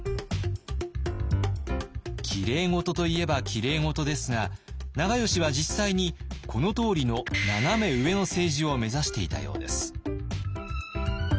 きれい事といえばきれい事ですが長慶は実際にこのとおりのナナメ上の政治を目指していたようです。